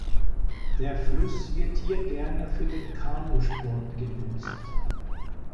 Der Fluss wird hier gerne für den Kanu-Sport genutzt.